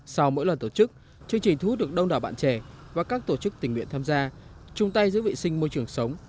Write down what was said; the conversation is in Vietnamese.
sau mỗi lần tổ chức chương trình thu hút được đông đảo bạn trẻ và các tổ chức tình nguyện tham gia chung tay giữ vệ sinh môi trường sống